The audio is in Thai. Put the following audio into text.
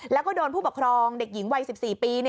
แล้วก็โดนผู้ปกครองเด็กหญิงวัย๑๔ปี